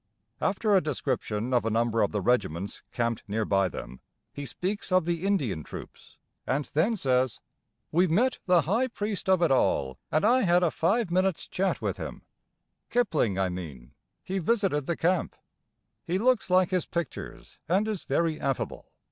After a description of a number of the regiments camped near by them, he speaks of the Indian troops, and then says: We met the High Priest of it all, and I had a five minutes' chat with him Kipling I mean. He visited the camp. He looks like his pictures, and is very affable.